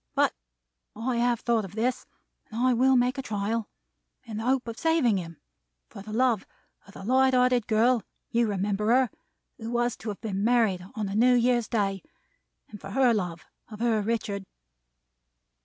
But I have thought of this; and I will make the trial. In the hope of saving him; for the love of the light hearted girl (you remember her) who was to have been married on a New Year's Day; and for the love of her Richard.'